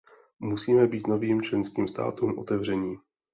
Musíme být novým členským státům otevření.